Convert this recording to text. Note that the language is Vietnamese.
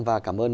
và cảm ơn